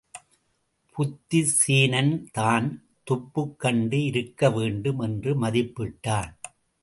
புத்திசேனன்தான் துப்புக் கண்டு இருக்க வேண்டும் என்று மதிப்பிட்டான்.